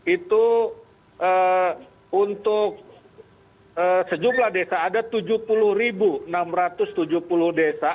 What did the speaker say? itu untuk sejumlah desa ada tujuh puluh enam ratus tujuh puluh desa